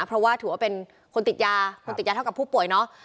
เพราะว่าถือว่าเป็นคนติดยาคนติดยาเท่ากับผู้ป่วยเนาะ